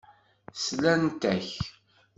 Slant-ak.